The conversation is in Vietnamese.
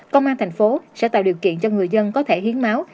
công an tp hcm sẽ tạo điều kiện cho người dân có thể hiến máu